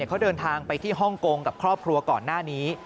เขาเดินทางไปที่ฮ่องกงกับครอบครัวก่อนหน้านี้